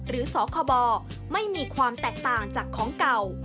สคบไม่มีความแตกต่างจากของเก่า